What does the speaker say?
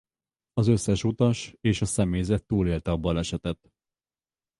Az összes utas és a személyzet túlélte a balesetet.